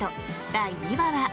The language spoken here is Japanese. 第２話は。